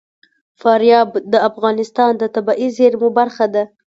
فاریاب د افغانستان د طبیعي زیرمو برخه ده.